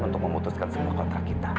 untuk memutuskan semua kontrak kita